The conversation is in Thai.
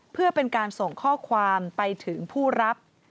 เพื่อเป็นการส่งข้อความไปถึงผู้รับ